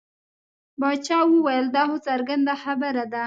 باچا وویل دا خو څرګنده خبره ده.